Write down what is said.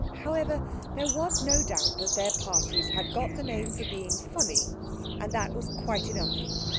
However, there was no doubt that their parties had got the name for being funny, and that was quite enough.